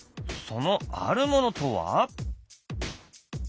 そのあるものとは？